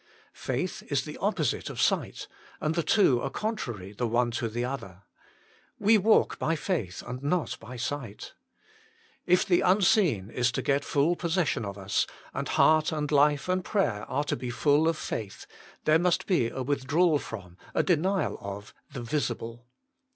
Faith is the opposite of sight, and the two are contrary the one to the other. " We walk by faith, and not by sight." If the unseen is to get full 110 THE MINISTRY OF INTERCESSION possession of us, and heart and life and prayer are to be full of faith, there must be a withdrawal from, a denial of, the visible.